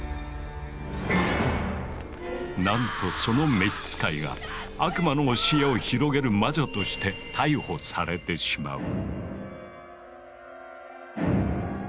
なんとその召し使いが悪魔の教えを広げる魔女として逮捕されてしまう。